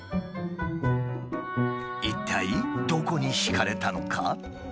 一体どこに惹かれたのか？